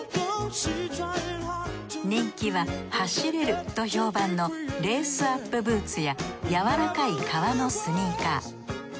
人気は走れると評判のレースアップブーツややわらかい革のスニーカー。